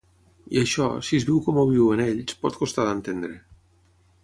I això, si es viu com ho viuen ells, pot costar d'entendre.